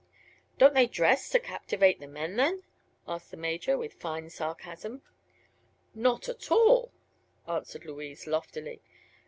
"Don't they dress to captivate the men, then?" asked the Major, with fine sarcasm. "Not at all," answered Louise, loftily.